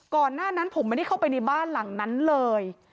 ก่อนหน้านั้นผมไม่ได้เข้าไปในบ้านหลังนั้นเลย